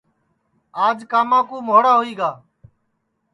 آج کاما کُو مھوڑا ہوئی گا